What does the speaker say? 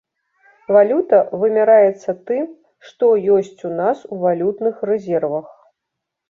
Валюта вымяраецца тым, што ёсць у нас у валютных рэзервах.